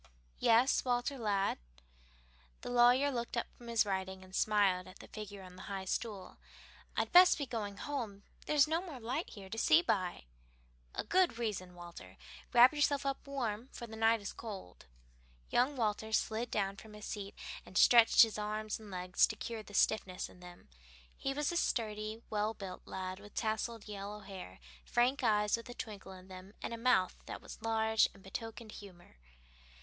"Yes, Walter, lad?" The lawyer looked up from his writing, and smiled at the figure on the high stool. "I'd best be going home; there's no more light here to see by." "A good reason, Walter. Wrap yourself up warm, for the night is cold." Young Walter slid down from his seat, and stretched his arms and legs to cure the stiffness in them. He was a sturdy, well built lad, with tousled yellow hair, frank eyes with a twinkle in them, and a mouth that was large and betokened humor.